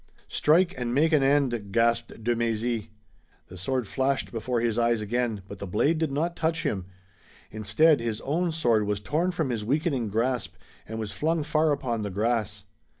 "Strike and make an end!" gasped de Mézy. The sword flashed before his eyes again, but the blade did not touch him. Instead his own sword was torn from his weakening grasp, and was flung far upon the grass.